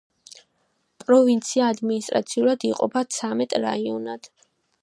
პროვინცია ადმინისტრაციულად იყოფა ცამეტ რაიონად.